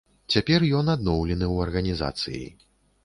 Цяпер ён адноўлены ў арганізацыі.